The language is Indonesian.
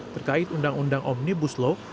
terkait undang undang omnibus law